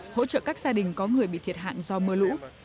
hỗ trợ các gia đình có người bị thiệt hại do mưa lũ